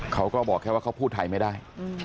เขาก็บอกแค่ว่าเขาพูดไทยไม่ได้